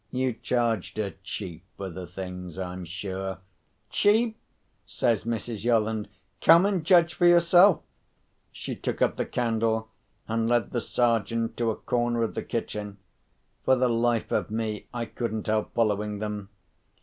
You charged her cheap for the things, I'm sure?" "Cheap!" says Mrs. Yolland. "Come and judge for yourself." She took up the candle and led the Sergeant to a corner of the kitchen. For the life of me, I couldn't help following them.